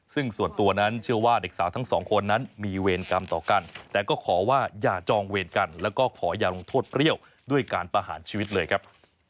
ซึ่งส่วนตัวนั้นเชื่อว่าเด็กสาวทั้งสองคนนั้นมีเวรกรรมต่อกันแต่ก็ขอว่าอย่าจองเวรกันแล้วก็ขออย่าลงโทษเปรี้ยวด้วยการประหารชีวิตเลยครับ